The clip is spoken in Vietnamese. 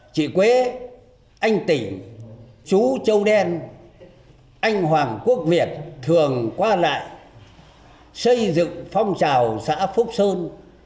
chị quế anh tỉnh chú châu đen anh hoàng quốc việt thường qua lại xây dựng phong trào xã phúc sơn